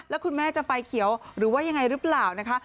แล้วคุณแม่จะไฟเขียวหรือว่ายังไงหรือเปล่านะคะ